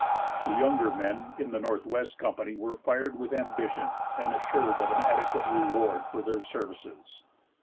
The younger men in the Northwest Company were fired with ambition and assured of an adequate reward for their services.